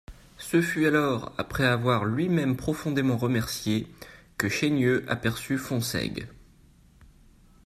Ce fut alors, après avoir lui-même profondément remercié, que Chaigneux aperçut Fonsègue.